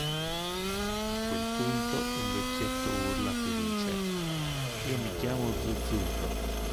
A quel punto un vecchietto urla felice: "Io mi chiamo Zuzzurro!".